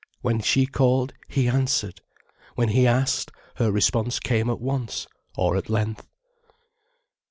When she called, he answered, when he asked, her response came at once, or at length.